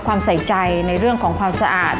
ใส่ใจในเรื่องของความสะอาด